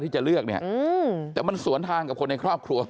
ที่จะเลือกเนี่ยแต่มันสวนทางกับคนในครอบครัว